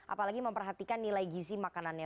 apalagi memperhatikan nilai gizi makanannya